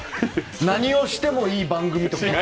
何をしてもいい番組と。